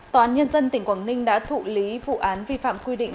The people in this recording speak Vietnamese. tòa án nhân dân tỉnh quảng ninh đã thụ lý vụ án vi phạm quy định